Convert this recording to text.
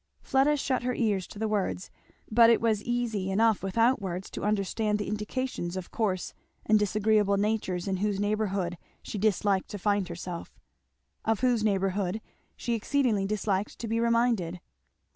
Fleda shut her ears to the words, but it was easy enough without words to understand the indications of coarse and disagreeable natures in whose neighbourhood she disliked to find herself; of whose neighbourhood she exceedingly disliked to be reminded.